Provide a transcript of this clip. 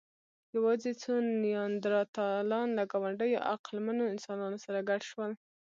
یواځې څو نیاندرتالان له ګاونډيو عقلمنو انسانانو سره ګډ شول.